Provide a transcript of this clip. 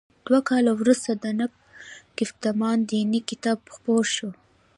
دوه کاله وروسته د نقد ګفتمان دیني کتاب خپور شو.